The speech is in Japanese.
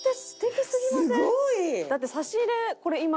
すごい！だって差し入れ